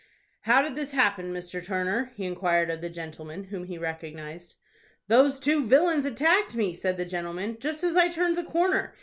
"How did this happen, Mr. Turner?" he inquired of the gentleman, whom he recognized. "Those two villains attacked me," said the gentleman, "just as I turned the corner.